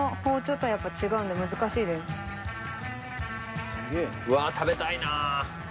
うわ食べたいな。